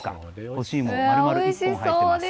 干し芋丸々１本入っています。